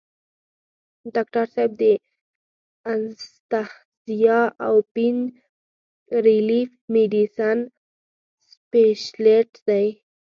ډاکټر صېب دانستهزيا او پين ريليف ميډيسن سپيشلسټ دے ۔